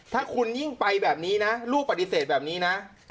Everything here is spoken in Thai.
ถ้าคุณยิ่งไปแบบนี้นะลูกปฏิเสธแบบนี้นะ